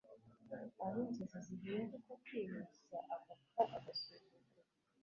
aho inzozi zihinduka kwibeshya agapfa agasuzuguro